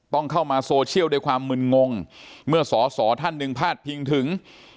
ต้องเข้ามาโซเชียลด้วยความมึนงงเมื่อสอสอท่านหนึ่งพาดพิงถึง